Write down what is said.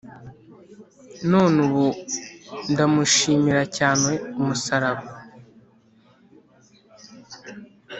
Non' ubu ndamushimira cyane Umusaraba.